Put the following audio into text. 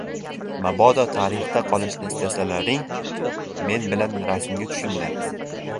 — Mabodo tarixda qolishni istasalaring, men bilan rasmga tushinglar!